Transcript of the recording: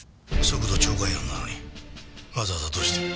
速度超過違反なのにわざわざどうして？